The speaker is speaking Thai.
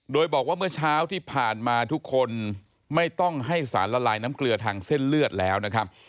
โดยบอกว่าเมื่อเช้าที่ผ่านมาทุกคนไม่ต้องให้สารละลายน้ำเกลือทางเส้นเลือดแล้วนะครับ